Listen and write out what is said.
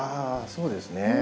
そうですね。